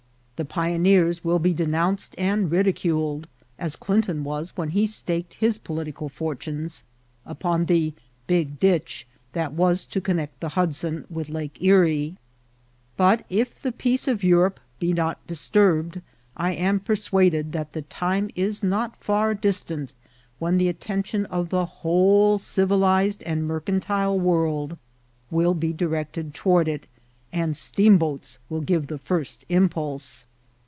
The pioneers will be denounced and ridiculed as Clinton was when he staked his political fortunes upon the *^ big ditch" that was to connect the Hudson with Lake Erie ; but, if the peace of Europe be not disturbed, I am persuaded that the time is not far distant when the attention of the whole Isivil ised and mercantile world will be directed toward it ; and steamboats will give the first impulse.